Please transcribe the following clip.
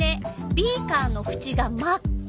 ビーカーのふちが真っ赤。